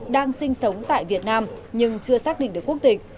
đang sinh sống tại việt nam nhưng chưa xác định được quốc tịch